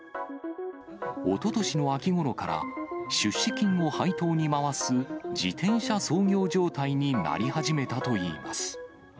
おととしの秋ごろから、出資金を配当に回す自転車操業状態になり始めたといいます。